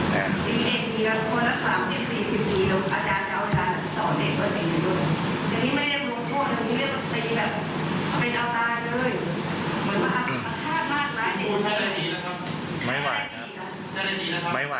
ไม่ไหว